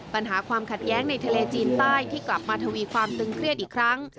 ปัญหาความขัดแย้งในทะเลจีนใต้ที่กลับมาทวีความตึงเครียดอีกครั้ง